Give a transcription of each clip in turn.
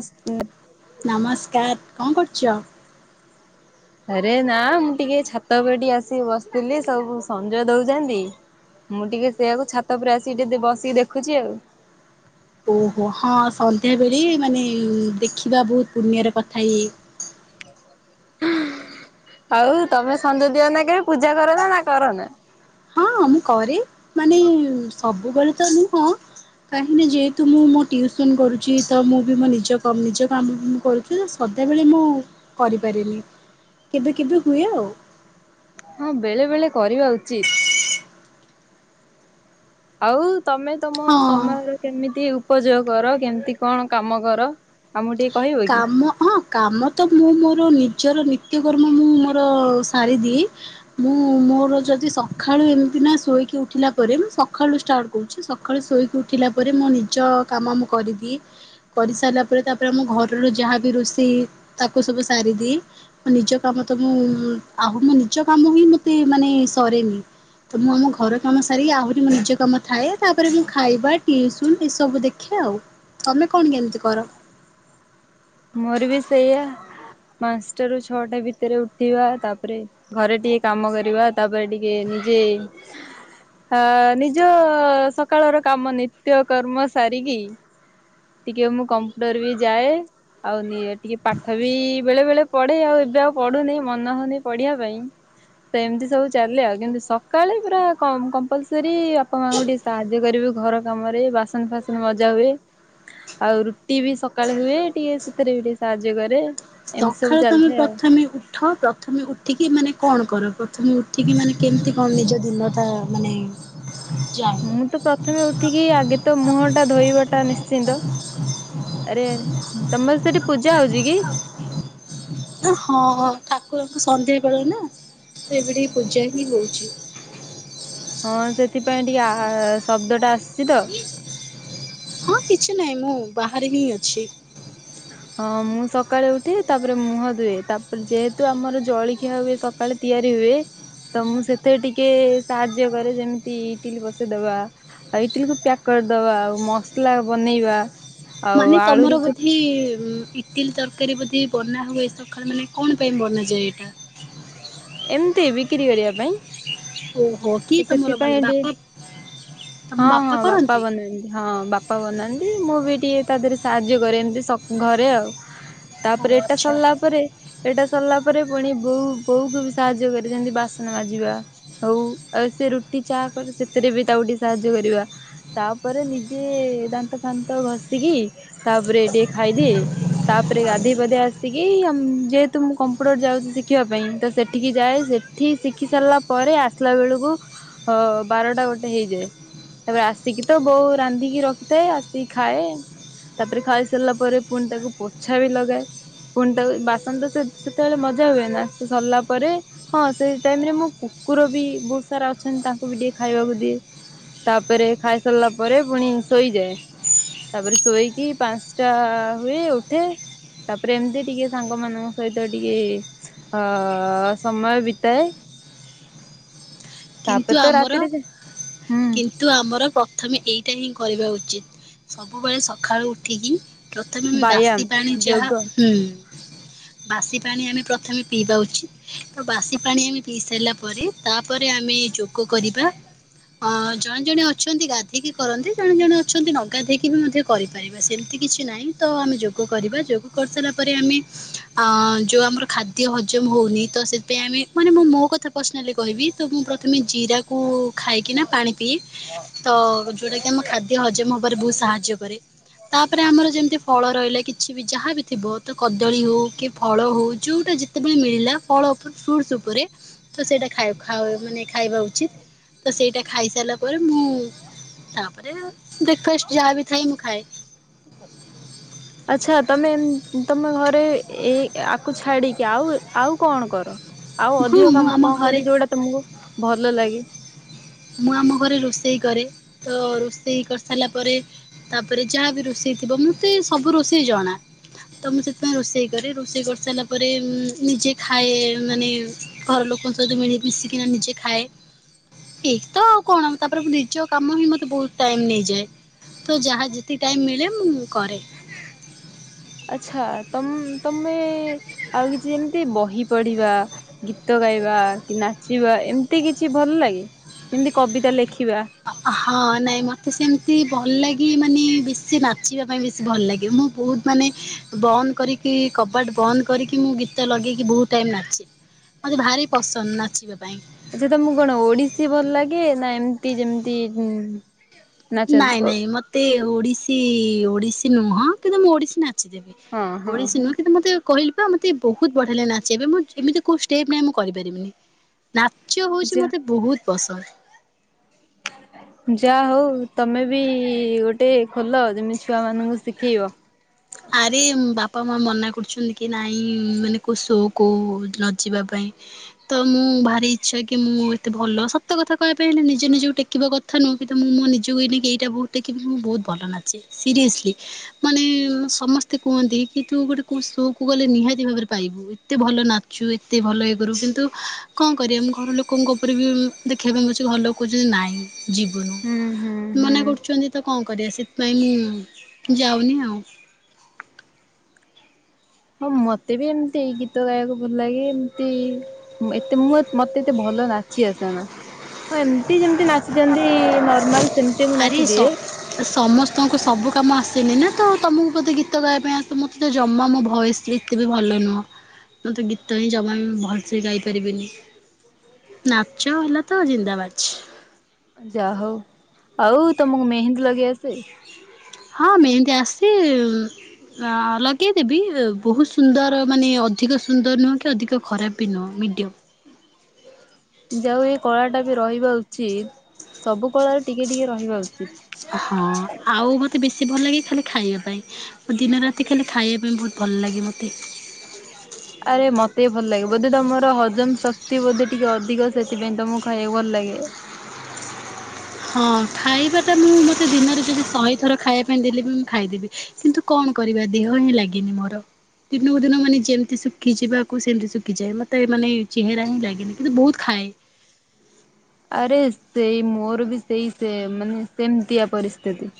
ଅସ୍ ଉଁ ନମସ୍କାର କଁ କରୁଚ? ଆରେ ନାଁ ମୁଁ ଟିକେ ଛାତ ଓପରେ ଟିକେ ଆସିି ବସିଥିଲି ସବୁ ସଞ୍ଜ ଦଉଚନ୍ତି। ମୁଁ ଟିକେ ସେଇଆକୁ ଛାତ ଉପରେ ଆସିକି ଟିଏ ଦେ ବସିକି ଦେଖୁଚି ଆଉ। ଓହୋ ହଁ ସନ୍ଧ୍ୟାବେଳେ ମାନେ ଦେଖିବା ବୋହୁ ପୁନ୍ୟର କଥା ଇଏ। ଆଉ ତମେ ସଞ୍ଜ ଦିଅ ନାଁ କେବେ ପୂଜା କର ନା, ନା କର ନା? ହଁ ମୁଁ କରେ ମାନେ ସବୁବେଳେ ତ ନୁହଁ କାହିଁକି ନା ଯେହେତୁ ମୁଁ ମୋ ଟିୟୁସନ କରୁଚି ତ ମୁଁ ବି ମୋ ନିଜ କ ନିଜ କାମ ବି ମୁଁ କରୁ ସେ ଯୋଉ ସଦାବେଳେ ମୁଁ କରିପାରେନି କେବେ କେବେ ହୁଏ ଆଉ। ହଁ ବେଳେ ବେଳେ କରିବା ଉଚିତ। ଆଉ ତମେ ତମ ହଁ। ସମୟର କେମିତି ଉପଯୋଗ କର କେମିତି କଣ କାମ କର? ଆମୁକୁ ଟିକେ କହିବ? କି? କାମ ହଁ। କାମ ତ ମୁଁ ମୋର ନିଜର ନିତ୍ୟକର୍ମ ମୁଁ ମୋର ସାରିଦିଏ। ମୁଁ ମୋର ଯଦି ସଖାଳୁ ଏମିତି ନା ଶୋଇକି ଉଠିଲା ପରେ ମୁଁ ସଖାଳୁ ଷ୍ଟାର୍ଟ କୋହୁଚି ସକାଳୁ ଶୋଇକି ଉଠିଲା ପରେ ମୋ ନିଜ କାମ ମୁଁ କରିଦିଏ। କରି ସାଇଲା ପରେ ତାପରେ ମୁଁ ଘରର ଯାହା ବିି ରୋଷେଇ ତାକୁ ସବୁ ସାରିଦିଏ। ମୋ ନିଜ କାମ ତ ମୁଁ ଆହୁ ମୋ ନିଜ କାମ ହିଁ ମତେ ମାନେ ସରେନି। ତ ମୁଁ ଆମ ଘର କାମ ସାରିକି ଆହୁରି ମୋ ନିଜ କାମ ଥାଏ ତାପରେ ମୁଁ ଖାଇବା ଟିଉସନ ଏସବୁ ଦେ ଖେ ଆଉ ତମେ କଣ କେମିତି କର? ମୋର ବି ସେଇଆ ପାନ୍ ସ ଟାରୁ ଛଅଟା ଭିତରେ ଉଠିବା ତାପରେ ଘରେ ଟିକେ କାମ କରିବା ତାପରେ ଟିକେ ନିଜେ ଆ ନିଜ ସକାଳର କାମ ନିତ୍ୟ କର୍ମ ସାରିକି ଟିକେ ମୁଁ କମ୍ପୁଟର ବି ଯାଏ। ଆଉ ନିଏ ଟିକେ ପାଠ ବି ବେଳେ ବେଳେ ପଢେ ଆଉ ଏବେ ଆଉ ପଢୁନି ମନ ହଉନି ପଢିବା ପାଇଁ। ସେମିତି ସବୁ ଚାଲେ ଆଉ କିନ୍ତୁ ସକାଳେ ପୁରା କ-କମ୍ପଲସରି ବାପା ମାଙ୍କୁ ଟିକେ ସାହାଯ୍ୟ କରିବୁ ଘର କାମରେ ବାସନ ଫାସନ ମଜା ହୁଏ। ଆଉ ରୁଟି ବି ସକାଳେ ହୁଏ ଟିକେ ସେଥିରେ ବି ଟିକେ ସାହାଯ୍ୟ କରେ। ଏମିତି ସବୁ ସଖାଳୁ ତମେ ଚାଲିଥାଏ ଆଉ। ପଥମେ ଉ ଠ ପ୍ରଥମେ ଉଠିକି ମାନେ କଣ କର ପ୍ରଥମେ ଉଠିକି ମାନେ କେମିତି କଣ ନିଜ ଦିନଟା ମାନେ ଯାଏ। ମୁଁ ତ ପ୍ରଥମେ ଉଠିକି ଆଗେ ତ ମୁହଁ ଟା ଧୋଇବାଟା ନିଶ୍ଚିନ୍ତ। ଆରେ ତମର ସେଠି ପୂଜା ହଉଚି କି? ହଁ ଠାକୁରଙ୍କୁ ସନ୍ଧ୍ୟା ବେଳ ନା। ଏବେ ଟିକେ ପୂଜା ହିଁ ହଉଚି। ହଁ ସେଥିପାଇଁ ଟିକେ ଆହା ଶବ୍ଦ ଟା ଆସୁଚି ତ। ହଁ କିଛି ନାହିଁ ମୁଁ ବାହାରେ ହିଁ ଅଛି। ହଁ ମୁଁ ସକାଳେ ଉଠେ ତାପରେ ମୁହଁ ଧୁଏ ତାପରେ ଯେହେତୁ ଆମର ଜଳଖିଆ ହୁଏ ସ ସକାଳେ ତିଆରି ହୁଏ। ତ ମୁଁ ସେଥିରେ ଟିକେ ସାହାଯ୍ୟ କରେ ଯେମିତି ଇଟିଲି ବସେଇଦବା। ଆଉ ଇଟିଲିକୁ ପ୍ୟାକ୍ କରିଦବା ଆଉ ମସଲା ବନେଇବା। ଆଉ ମାନେ ଆଳୁରୁ ତମର ଚୋ ବୋଧେ ଉଁ ଇ ଇଟିଲି ତରକାରୀ ବୋଧେ ବନା ହୁଏ ସଖାଳେ ମାନେ କଣ ପାଇଁ ବନାଯାଏ ଏଟା? ଏମିତି ବିକିରି କରିବା ପାଇଁ। ଓହୋ। କିଏ ତ ତମର ମାନେ ସେଥିପାଇଁ ବାପା ତମ ଟିକେ ହଁ ହଁ ବାପା କରନ୍ତି? ବନାନ୍ତି ହଁ ବା ପା ବନାନ୍ତି ମୁଁ ବି ଟିକେ ତା ଧିଅରେ ସାହାଯ୍ୟ କରେ ଏମିତି ସ ଘରେ ଆଉ। ତା ଓ ପରେ ଏଟା ଆଚ୍ଛା ସରିଲା ପରେ ଏଇଟା ସରିଲା ପରେ ପୁଣି ବୋଉ ବୋଉକୁ ବି ସାହାଯ୍ୟ କରେ ଯେମିତି ବାସନ ମାଜିବା ହଉ ଆଉ ସେ ରୁଟି ଚାହା କରେ ସେଥିରେ ବି ତାକୁ ଟିକେ ସାହାଯ୍ୟ କରିବା। ତା ପରେ ନିଜେ ଦାନ୍ତ ଫାନ୍ତ ଘଷିକି ତାପରେ ଟିକେ ଖାଇଦିଏ। ତା ପରେ ଗାଧେଇ ପାଧେଇ ଆସିକି ଏମ୍ ଯେହେତୁ ମୁଁ କମ୍ପ୍ୟୁଟର ଯାଉଚି ଶିଖିବା ପାଇଁ ତ ସେଠିକି ଯାଏ ସେ ଠି ଶିଖି ସାରିଲା ପରେ ଆସିଲା ବେଳୁକୁ ଅ ବାରଟା ଗୋଟେ ହେଇଯାଏ। ତାପରେ ଆସିକି ତ ବୋଉ ରାନ୍ଧିକି ରଖିଥାଏ ଆସିକି ଖାଏ। ତା ପରେ ଖାଇ ସାରିଲା ପରେ ପୁଣି ତାକୁ ପୋଛା ବି ଲଗାଏ। ପୁଣି ତାକୁ ବାସନ ତ ସେ-ସେତବେଳେ ମଜା ହୁଏ ନା ସେ ସରିଲା ପରେ ହଁ ସେଇ ଟାଇମ୍ ରେ ମୁଁ କୁକୁର ବି ବୋହୁତ ସାରା ଅଛନ୍ତି। ତାଙ୍କୁ ବି ଟିକେ ଖାଇବାକୁ ଦିଏ। ତା ପରେ ଖାଇ ସାରିଲା ପରେ ପୁଣି ଶୋଇଯାଏ। ତା ପରେ ଶୋଇକି ପାଂସ୍ ଟା ହୁଏ ଉଠେ। ତା ପରେ ଏମତି ଟିକେ ସାଙ୍ଗମାନଙ୍କ ସହିତ ଟିକେ ଅ-ଅ-ଅ ସମୟ ବିତାଏ। କିନ୍ତୁ ତାପରେ ତ ଆମର ରାତିରେ କି ସେ ହୁଁ କିନ୍ତୁ ଆମର ପ୍ରଥମେ ଏଇଟା ହିଁ କରିବା ଉଚିତ୍। ସବୁବେଳେ ସଖାଳୁ ଉଠିକି ପ୍ରଥମେ ଆମେ ବାସି ବ୍ୟାୟାମ ପାଣି ଯାହା ଯୋଗ ବାସି ପାଣି ଆମେ ପ୍ରଥମେ ପିଇବା ଉଚିତ୍। ତ ବାସି ପାଣି ଆମେ ପିଇ ସାଇଲା ପରେ ତାପରେ ତା ପରେ ଆମେ ଯୋଗ କରିବା ଅଁ ଜଣେ ଜଣେ ଅଛନ୍ତି ଗାଧେଇକି କରନ୍ତି, ଜଣେ ଜଣେ ଅଛନ୍ତି ନ ଗାଧେଇକି ବି ମଧ୍ୟ କରିପାରିବା, ସେମତି କିଛି ନାହିଁ। ତ ଆମେ ଯୋଗ କରିବା, ଯୋଗ କରିସାରିଲା ପରେ ଆମେ ଆଁ ଯୋଉ ଆମର ଖାଦ୍ୟ ହଜମ ହଉନି, ତ ସେଥିପାଇଁ ଆମେ, ମାନେ ମୁଁ ମୋ କଥା ପର୍ସନାଲି କହିବି ମୁଁ ପ୍ରଥମେ ଜିରାକୁ ଖାଇକି ନା ପାଣି ପିଏ। ତ ଯୋଉଟା କି ଆମ ଖାଦ୍ୟ ହଜମ ହବାରେ ବୋହୁତ୍ ସାହାଯ୍ୟ କରେ। ତାପରେ ଆମର ଯେମିତି ଫଳ ରହିଲା କିଛି ବି ଯାହା ବିି ଥିବ, ତ କଦଳୀ ହୋଉ କି ଫଳ ହୋଉ ଯୋଉଟା ଯେତ୍ ଯେତେବେଳେ ମିଳିଲା ଫଳ ଉପରେ ଫ୍ରୁଟସ୍ ଉପରେ ତ ସେଇଟା ଖାଇବା, ଆଉ ମାନେ ଖାଇବା ଉଚିତ୍। ତ ସେଇଟା ଖାଇସାଇଲା ପରେ ମୁଁ ତା ପରେ ବେକ୍ ଫାଷ୍ଟ ଯାହା ବି ଥାଏ ମୁଁ ଖାଏ। ଆଚ୍ଛା ତମେ ଏମ ତମେ ଘରେ ଏ ଆକୁ ଛାଡିକି ଆଉ ଆଉ କଣ କର? ଆଉ ହଁ ଅଧିକ ମୁଁ କାମ ଆମ କଣ ଘରେ କର? ଯୋଉଟା ତମକୁ ଭଲ ଲାଗେ? ମୁଁ ଆମ ଘରେ ରୋଷେଇ କରେ, ତ ରୋଷେଇ କରିସାରିଲା ପରେ ତା ପରେ ଯାହା ବିି ରୋଷେଇ ଥିବ, ମତେ ସବୁ ରୋଷେଇ ଜଣା। ତ ମୁଁ ସେଥିପାଇଁ ରୋଷେଇ କରେ, ରୋଷେଇ କରିସାରିଲା ପରେ ନିଜେ ଖାଏ ମାନେ ଘର ଲୋକଙ୍କ ସହିତ ମିଳି ମିଶିକିନା ନିଜେ ଖାଏ। ଏଇତ ଆଉ କଣ? ତା ପରେ ମୁଁ ନିଜ କାମ ହିଁ ମତେ ବୋହୁତ୍ ଟାଇମ୍ ନେଇଯାଏ। ତ ଯାହା ଯେତିକି ଟାଇମ୍ ମିଳେ ମୁଁ କରେ। ଆଚ୍ଛା ତମ ତମେ ଆଉ କିଛି ଯେମିତି ବହି ପଢିବା ଗୀତ ଗାଇବା କି ନାଚିବା ଏମିତି କିଛି ଭଲ ଲାଗେ? ଯେମିତି କବିତା ଲେଖିବା। ହଁ ନାଇଁ ମତେ ସେମିତି ଭଲ ଲାଗେ ମାନେ ବେଶୀ ନାଚିବା ପାଇଁ ବେଶୀ ଭଲ ଲାଗେ ମୁଁ ବୋହୁତ ମାନେ ବନ୍ଦ କରିକି କବାଟ ବନ୍ଦ କରିକି ମୁଁ ଗୀତ ଲଗେଇକି ବୋହୁତ ଟାଇମ ନାଚେ। ମତେ ଭାରି ପସନ୍ଦ ନାଚିବା ପାଇଁ। ଆଚ୍ଛା ତମକୁ କଣ ଓଡିଶୀ ଭଲ ଲାଗେ? ନା ଏମତି ଯେମତି ନାଇଁ ନାଇଁ ମତେ ଓଡିଶୀ ଓଡିଶୀ ନୁହଁ, କିନ୍ତୁ ମୁଁ ଓଡିଶୀ ନାଚିଦେବି। ହଁ ହଁ ଓଡିଶୀ ହଁ ନୁହିଁ କିନ୍ତୁ ମତେ କହିଲି ପା ମତେ ବୋହୁତ ବଢିଆ ଲାଗେ ନାଚିବା ପାଇଁ। ମ ଏମତି କୋଉ ସ୍ଟେପ ନାଇଁ ମୁଁ କରିପାରିମିନି। ନାଚ୍ୟ ହୋଉଚି ଯା ମୋତେ ବୋହୁତ ପସନ୍ଦ। ଯାଆ ହୋଉ ତମେ ବି ଗୋଟେ ଖୋଲ, ଯେମିତି ଛୁଆ ମାନଙ୍କୁ ଶିଖେଇବ। ହ ଆରେ ବାପା ମା ମନା କରୁଛନ୍ତି କି ନାଇଁ ମାନେ କୋଉ ଶୋ କୁ ନ ଯିବା ପାଇଁ। ତ ମୁଁ ଭାରି ଇଚ୍ଛା କି ମୁଁ ଏତେ ଭଲ। ସତ କଥା କହିବା ପାଇଁ ହେଲେ ନିଜେ ନିଜକୁ ଟେକିବା କଥା କଥା ନୁହଁ କିନ୍ତୁ, ତ ମୁଁ ମୋ ନିଜକୁ ଏଇ ନେଇକି ଏଇଟା ବୋହୁତ ଟେକିବି, କିନ୍ତୁ ମୁଁ ବୋହୁତ ଭଲ ନାଚେ, ସିରିଏସଲି। ମାନେ ସମସ୍ତେ କୁହନ୍ତି, କି ତୁ ଗୋଟେ କୋଉ ସୋ କୁୁ ଗଲେ ନିହାତି ଭାବରେ ପାଇବୁ। ଏତେ ଭଲ ନାଚୁ, ଏତେ ଭଲ ଇଏ କରୁ, କିନ୍ତୁ କଅ କରିବା? ଆମ ଘର ଲୋକଙ୍କ ଉପରେ ବି ଦେଖିବା ପାଇଁ ପଛେ ଘର ଲୋକ କୋହୁଛନ୍ତି ନାଇଁ, ଜୀବୁନୁ। ହୁଁ ହୁଁ ହୁଁ ମନା କରୁଚନ୍ତି ତ କଅ କରିଆ? ସେ ସେଥି ପାଇଁ ମୁଁ ଯାଉନି ଆଉ। ହଁ ମତେ ବି ଏମତି ଏଇ ଗୀତ ଗାଇବାକୁ ଭଲ ଲାଗେ, ଏମତି ଏତେ ମୁ ମତେ ଏତେ ଭଲ ନାଚି ଆସେ ନା, ହଁ ଏମ ଯେମତି ନାଚି ଦିଅନ୍ତି ନର୍ମାଲ, ସେମତି ମୁଁ ଆରେ ସ ନାଚିଦିଏ। ସମସ୍ତଙ୍କୁ ସବୁ କାମ ଆସେନି ନା, ତ ତମକୁ ବୋଧେ ଗୀତ ଗାଇବା ପାଇଁ ଆସେ, ମୋତ ତ ଜମା ମୋ ଭଏସ୍ ବି କେବେ ଭଲ ନୁହଁ, ମତେ ଗୀତ ହିଁ ଜମା ଭଲସେ ଗାଇପାରିବିନି। ନାଚ ହେଲା ତ ଜିନ୍ଦାବାଜ୍ ଆଁ ଯାହୋଉ। ଆଉ ତମକୁ ମେହେନ୍ଦୀ ଲଗେଇ ଆସେ? ହଁ ମେହେନ୍ଦି ଆସେ ଆ ଲଗେଇଦେବି ଏ ବୋହୁତ ସୁନ୍ଦର ମାନେ ଅଧିକ ସୁନ୍ଦର ନୁହଁ କି ଅଧିକ ଖରାପ ବି ନୁହଁ ମିଡ଼ିୟମ୍। ଯାଓଉ ଏଇ କଳାଟା ବି ରହିବା ଉଚିତ ସବୁ କଳାରୁ ଟିକେ ଟିକେ ରହିବା ଉଚିତ୍। ହଁ ଆଉ ମତେ ବେଶୀ ଭଲ ଲାଗେ ଖାଲି ଖାଇବା ପାଇଁ। ଓ ଦିନରାତି ଖାଲି ଖାଇବା ପାଇଁ ବୋହୁତ ଭଲ ଲାଗେ ମତେ। ଆରେ ମତେ ବି ଭଲ ଲାଗେ ବୋଧେ ତମର ହଜମ ଶକ୍ତି ବୋଧେ ଟିକେ ଅଧିକ ସେଥିପାଇଁ ତମକୁ ଖାଇବାକୁ ଭଲ ଲାଗେ। ହଁ ଖାଇବାଟା ମୁଁ ମତେ ଦିନରେ ଯଦି ଶହେଥର ଖାଇବା ପାଇଁ ଦେଲି ବି ମୁଁ ଖାଇଦେବି। କିନ୍ତୁ କଣ କରିବା ଦେହ ହିଁ ଲାଗେନି ମୋର। ଦିନକୁ ଦିନ ମାନେ ଯେମତି ଶୁଖିଯିବାକୁ ସେମତି ଶୁଖିଯାଏ ମତେ ମାନେ ଚେହେରା ହିଁ ଲାଗେନି କିନ୍ତୁ ବୋହୁତ ଖାଏ। ଆରେ ସେଇ ମୋର ବି ସେଇ ସେମ୍ ମାନେ ସେମତିଆ ପରିସ୍ଥିତି।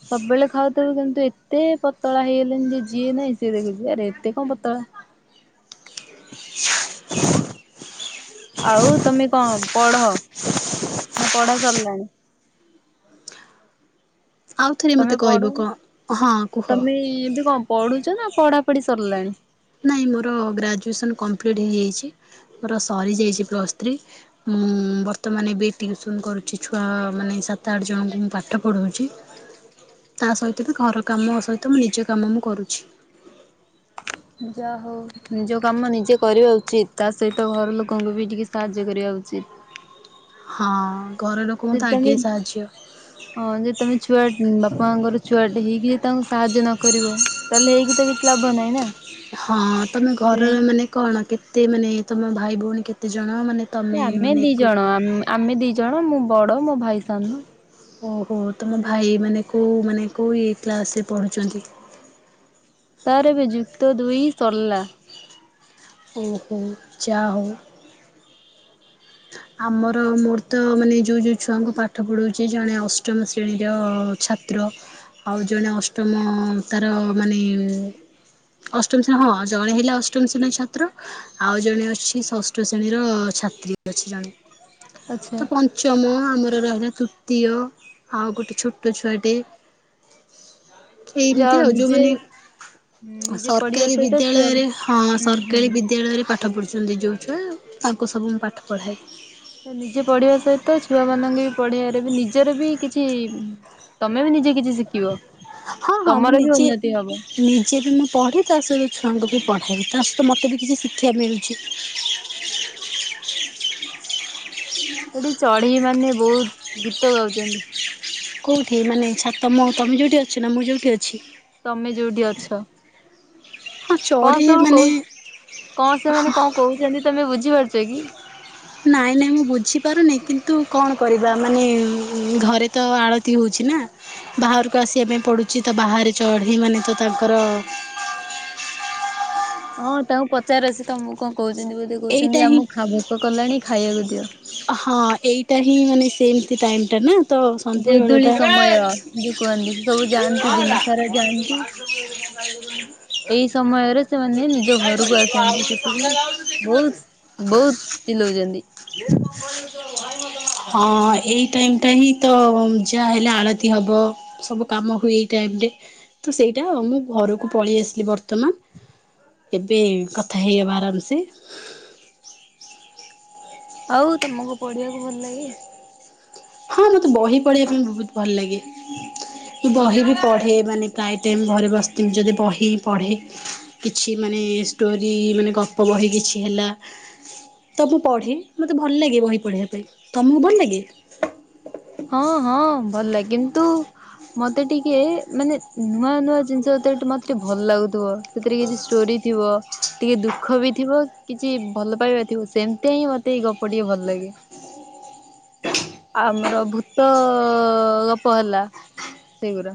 ସବୁବେଳେ ଖାଉଥୁବୁ କିନ୍ତୁ ଏତେ ପତଳା ହେଇଗଲେଣି ଯେ ଯିଏ ନାହିଁ ସିଏ ଦେଖୁଚି ଆରେ ଏତେ କଣ ପତଳା। [inaudible] ଆଉ ତମେ କଣ ପଢ ନା ପଢା ସରଲାଣି? ଆଉ ଥରେ ମତେ ତମେ କହିବ ପଢନ୍ କଣ ହଁ କୁହ। ତମେ ଏବେ କଣ? ପଢୁଚ ନା ପଢାପଢି ସରିଲାଣି। ନାଇଁ ମୋର ଗ୍ରାଜୁଏସନ୍ କମ୍ପ୍ଲିଟ୍ ହେଇଯାଇଚି ମୋର ସରିଯାଇଚି ପ୍ଲସ୍ ଥ୍ରୀ। ମୁଁ ବର୍ତ୍ତମାନ ଏବେ ଟିଉସନ କରୁଚି ଛୁଆ ମାନେ ସାତ ଆଠ ଜଣଙ୍କୁ ମୁଁ ପାଠ ପଢ଼ଉଚି ତା ସହିତ ବି ଘର କାମ ସହିତ ମୋ ନିଜ କାମ ମୁଁ କରୁଛି। ଯାହୋଉ। ନିଜ କାମ ନିଜେ କରିବା ଉଚିତ ତା ସହିତ ଘର ଲୋକଙ୍କୁ ବି ଟିକେ ସାହାଯ୍ୟ କରିବା ଉଚିତ୍। ହଁ ଘର ଆଉ ଲୋକଙ୍କୁ ଯଦି ତ ତମେ ଆଗେ ସାହାଯ୍ୟ ହଁ ଯଦି ତମେ ଛୁଆ ବାପାମାଆଙ୍କର ଛୁଆଟେ ହେଇକି ଯ ତାଙ୍କୁ ସାହାଯ୍ୟ ନ କରିବ ତାହେଲେ ହେଇକି ତ କିଛି ଲାଭ ନାହିଁ ନା ହଁ ତମେ ଘରର ସେଥିପାଇଁ ମାନେ କଣ କେତେ ମାନେ ତମ ଭାଇ ଭୋଉଣୀ କେତେ ଜଣ ମାନେ ନା ତମେ ଆମେ ମାନେ ଦିଇ ଏକୁ ଜଣ ଆମ ଆମେ ଦିଇ ଜଣ ମୁଁ ବଡ ମୋ ଭାଇ ସାନ। ଓହୋ ତମ ଭାଇ ମାନେ କୋଉ ମାନେ କୋଉ ଏଇ କ୍ଲାସରେ ପଢ଼ୁଚନ୍ତି? ତାର ଏବେ ଯୁକ୍ତ ଦୁଇ ସରଲା। ଓହୋ ଯାହୋଉ ଆମର ମୋର ତ ମାନେ ଯୋଉ ଯୋଉ ଛୁଆଙ୍କୁ ପାଠ ପଢୋଉଚି ଜଣେ ଅଷ୍ଟମ ଶ୍ରେଣୀର ଛା ତ୍ର ଆଉ ଜଣେ ଅଷ୍ଟମ ତାର ମାନେ ଅଷ୍ଟମ ଶ୍ରେଣୀ ହଁ ଜଣେ ହେଲା ଅଷ୍ଟମ ଶ୍ରେଣୀର ଛାତ୍ର ଆଉ ଜଣେ ଅଛି ଷଷ୍ଠ ଶ୍ରେଣୀର ଛାତ୍ରୀ ଅଛି। ଜଣେ ଆଚ୍ଛା। ତ ପଞ୍ଚମ ଆମର ରହିଲା ତୃତୀୟ ଆଉ ଗୋଟେ ଛୋ ଛୋଟ ଛୁଆଟେ ଯାଉ ଏମତି ଆଉ ନିଜେ ଯୋଉମାନେ ନିଜେ ପଢିବା ସରକାରୀ ସହିତ ଛୁଆ ବିଦ୍ୟାଳୟରେ ହଁ ହୁଁ ସରକାରୀ ହୁଁ। ବିଦ୍ୟାଳୟରେ ପା ପାଠ ପଢ଼ୁଚନ୍ତି ଯୋଉ ଛୁଆ ତାଙ୍କୁ ସବୁ ମୁଁ ପାଠ ପଢ଼ାଏ। ତ ନିଜେ ପଢିବା ସହିତ ଛୁଆମାନଙ୍କୁ ବି ପଢେଇବାରେ ବି ନିଜର ବି କିଛି ତମେ ବି ନିଜେ କିଛି ଶି ହଁ ହଁ ମୁଁ ନିଜେ ହବ। ନିଜେ ବି ମୁଁ ପଢ଼େ ତା ସହିତ ଛୁଆଙ୍କୁ ବି ପଢ଼ାଏ ତା ସହିତ ମତେ ବି କିଛି ଶିକ୍ଷା ମିଳୁଛି। ହେଠୁ ଚଢେଇମାନେ ବୋହୁତ ଗୀତ ଗାଉଛନ୍ତି। କୋଉଠି ମାନେ ଛା ତମ ତମେ ଯୋଉଠି ଅଛ ନା ମୁଁ ଯୋଉଠି ଅଛି? ତମେ ଯୋଉଠି ଅଛ। ହଁ କଣ ଚଢ଼ି ସବୁ ମାନେ କୋହୁ କଣ ସେମାନେ କଣ କୋହୁଚନ୍ତି ତମେ ବୁଝିପାରୁଚ କି? ନାଇଁ ନାଇଁ ମୁଁ ବୁଝିପାରୁନି କିନ୍ତୁ କଣ କରିବା ମାନେ ଘରେ ତ ଆଳ ତୀ ହୋଉଛି ନା ବାହାରକୁ ଆସିବା ପାଇଁ ପଡ଼ୁଛି ତ ବାହାରେ ଚଢ଼େଇମାନେ ତ ତାଙ୍କର ହଁ ତାଙ୍କୁ ପଚାର ସେ ତମକୁ କଣ କୋହୁଚନ୍ତି ବୋଧେ ଏଇଟା କୋହୁଛନ୍ତି ହିଁ ଆମକୁ ଖା ଭୋକ କଲାଣି ଖାଇବାକୁ ଦିଅ। ହଁ ଏଇଟା ହିଁ ମାନେ ସେମିତି ଟାଇମ ଟା ନା। ତ ସନ୍ଧ୍ୟା ଗୋଧୂଳି ବେଳଟା ସମୟ ଯୋଉ କୁହନ୍ତି ସେ ସବୁ ଯାଆନ୍ତି ଦିନ ସାରା ଯାଆନ୍ତି। ଏଇ ସମୟରେ ସେମାନେ ନିଜ ଘରକୁ ଆସନ୍ତି ସେଥିପାଇଁ ବହୁତ ବହୁତ ଚିଲଉଛନ୍ତି। ହଁ ଏଇ ଟାଇମ ଟା ହିଁ ତ ଯାହା ହେଲେ ଆଳତୀ ହବ। ସବୁ କାମ ହୁଏ ଏଇ ଟାଇମରେ ତ ସେଇଟା ମୁଁ ଘରକୁ ପଳେଇ ଆସିଲି ବର୍ତ୍ତମାନ। ଏବେ କଥା ହେଇହବା ଆରାମ ସେ। ଆଉ ତମକୁ ପଢିବାକୁ ଭଲ ଲାଗେ। ହଁ ମତେ ବହି ପଢିବା ପାଇଁ ବହୁତ ଭଲ ଲାଗେ। ମୁଁ ବହି ବି ପଢ଼େ ମାନେ ପ୍ରାୟ ଟାଇମ୍ ଘରେ ବସିଥିମି ଯଦି ବହି ପଢ଼େ। କିଛି ମାନେ ଷ୍ଟୋରି ମାନେ ଗପ ବହି କିଛି ହେଲା। ତ ମୁଁ ପଢେ ମତେ ଭଲ ଲାଗେ ବହି ପଢିବା ପାଇଁ। ତମକୁ ଭଲ ଲାଗେ? ହଁ ହଁ ଭଲ ଲାଗେ କିନ୍ତୁ ମତେ ଟିକେ ମାନେ ନୂଆ ନୂଆ ଜିନିଷ ଯେତଟେ ମତେ ଟିକେ ଭଲ ଲାଗୁଥିବ। ସେଥିରେ କିଛି ଷ୍ଟୋରି ଥିବ। ଟିକେ ଦୁଃଖ ବି ଥିବ କିଛି ଭଲ ପାଇବା ଥିବ ସେମିତିଆ ହିଁ ମତେ ଏଇ ଗପ ଟିକେ ଭଲ ଲାଗେ। ଆମର ଭୂତ ଗପ ହେଲା ସେଇଗୁରା।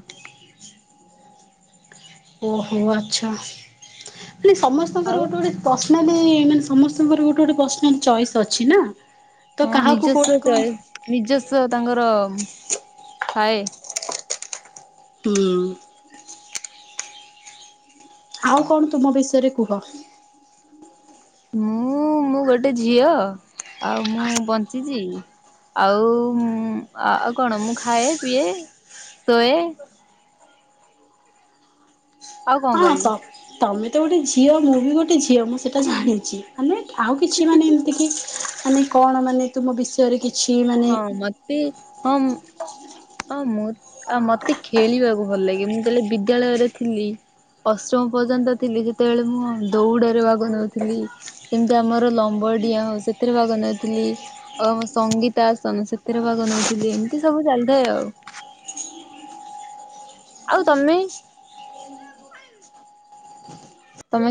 ଓହୋ ଆଚ୍ଛା ମାନେ ସମସ୍ତଙ୍କର ଆଉ ଗୋଟେ ଗୋଟେ ପର୍ସନାଲି ମାନେ ସମସ୍ତଙ୍କର ଗୋଟେ ଗୋଟେ ପର୍ସନାଲ ଚଏସ୍ ଅଛି ନା। ତ ହଁ କାହାକୁ କୋଉଟା ନିଜସ୍ୱ କଣ ଚଏସ୍ ନିଜସ୍ଵ ତାଙ୍କର ଥାଏ। ହୁଁ ଆଉ କଣ ତୁମ ବିଷୟରେ କୁହ? ମୁଁ ମୁଁ ଗୋଟେ ଝିଅ ଆଉ ମୁଁ ବଞ୍ଚିଚି। ଆଉ ଆଉ କଣ ମୁଁ ଖାଏ ପିଏ ଶୋଏ। ଆଉ କଣ ହଁ ତ କହିବି? ତମେ ତ ଗୋଟେ ଝିଅ ମୁଁ ବି ଗୋଟେ ଝିଅ ମୁଁ ସେଟା ଜାଣିଛି ଆମେ ଆଉ କିଛି ମାନେ କି ଆମେ କଣ ମାନେ ତୁମ ବିଷୟରେ କିଛି ହଁ ମତେ ହଁ ହ ହ ମୁଁ ଆ ମତେ ଖେଳିବାକୁ ଭଲ ଲାଗେ ମୁଁ ତାହଲେ ବିଦ୍ୟାଳୟରେ ଥିଲି। ଅଷ୍ଟମ ପର୍ଯ୍ୟନ୍ତ ଥିଲି ଯେତେବେଳେ ମୁଁ ଦୌଡ଼ରେ ଭାଗ ନେଉଥିଲି। ଯେମତି ଆମର ଲମ୍ବଡିଆଁ ହଉ ସେଥିରେ ଭାଗ ନେଉଥିଲି। ଆଉ ଆମ ସଙ୍ଗୀତା ଆସନ ସେଥିରେ ଭାଗ ନଉଥିଲି ଏମିତି ସବୁ ଚାଲିଥାଏ ଆଉ ଆଉ ତମେ? ତମେ